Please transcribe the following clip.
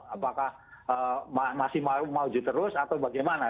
apakah masih mau maju terus atau bagaimana